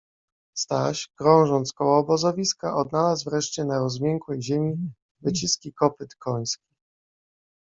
Staś, krążąc koło obozowiska, odnalazł wreszcie na rozmiękłej ziemi wyciski kopyt końskich.